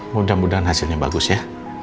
mudah mudahan hasilnya bagus ya